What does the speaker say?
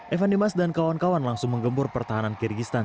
evan dimas dan kawan kawan langsung menggembur pertahanan kyrgyzstan